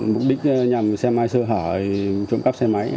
mục đích nhằm xe máy sơ hở trộm cắp xe máy